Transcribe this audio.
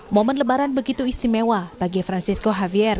momen lebaran begitu istimewa bagi francisco havier